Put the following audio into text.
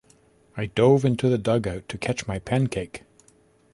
I dove into the dugout to catch my pancake.